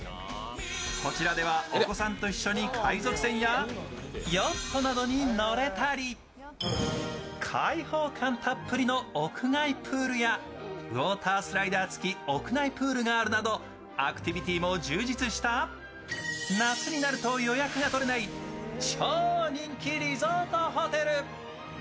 こちらではお子さんと一緒に海賊船やヨットなどに乗れたり、開放感たっぷりの屋外プールやウォータースライダー付き屋内プールがあるなどアクティビティも充実した夏になると予約が取れない超人気リゾートホテル。